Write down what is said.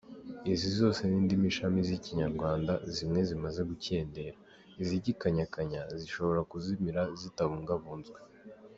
Izo zose ni indimi shami z’Ikinyarwanda zimwe zimaze gukendera, izigikanyakanya zishobora kuzimira zitabungabunzwe.